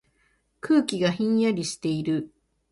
空気がひんやりしている。